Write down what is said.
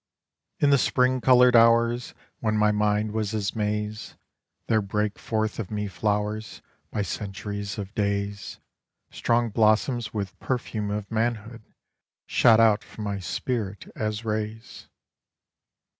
In the spring coloured hours When my mind was as May's, There brake forth of me flowers By centuries of days, Strong blossoms with perfume of manhood, shot out from my spirit as rays.